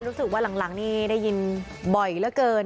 รู้สึกว่าหลังนี่ได้ยินบ่อยเหลือเกิน